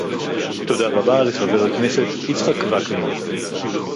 תודה רבה לחבר הכנסת יצחק וקנין